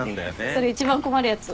それ一番困るやつ。